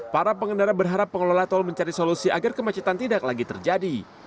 para pengendara berharap pengelola tol mencari solusi agar kemacetan tidak lagi terjadi